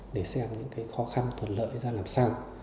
để xem những cái khó khăn thuận lợi ra làm sao